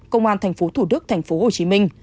công an tp thủ đức tp hcm